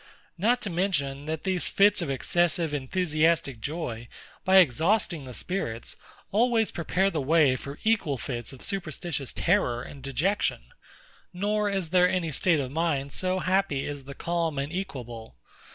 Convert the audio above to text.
Not to mention, that these fits of excessive, enthusiastic joy, by exhausting the spirits, always prepare the way for equal fits of superstitious terror and dejection; nor is there any state of mind so happy as the calm and equable.